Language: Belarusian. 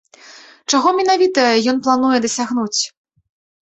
Чаго менавіта ён плануе дасягнуць?